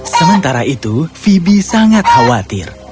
sementara itu fibi sangat khawatir